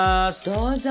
どうぞ！